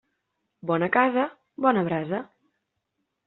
Bona casa, bona brasa.